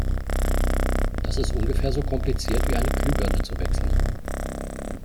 Das ist ungefähr so kompliziert, wie eine Glühbirne zu wechseln.